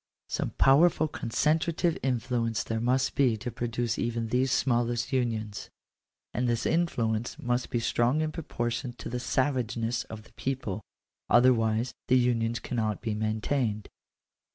Some powerful concentrative influence there must be to pro duce even th&e smallest unions : and this influence must be strong in proportion to the savageness of the people ; other wise the unions cannot be maintained.